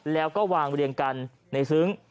แล้วก็วางเรียงกันในซึ้ง